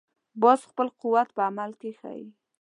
باز خپل قوت په عمل کې ښيي